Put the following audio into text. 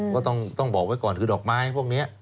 ก็ต้องบอกไว้ก่อนคือดอกไม้พวกนี้